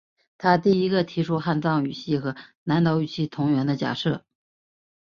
他第一个提出汉藏语系和南岛语系同源的假设。